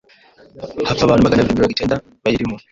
hapfa abantu maganabiri mirongo icyenda bayirimo